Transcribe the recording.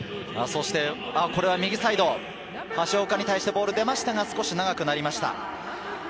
これは右サイド、橋岡に対してボールが出ましたが、少し長くなりました。